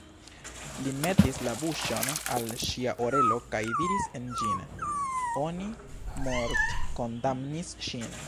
Li metis la buŝon al ŝia orelo kaj diris en ĝin: "Oni mortkondamnis ŝin."